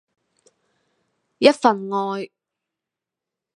一份愛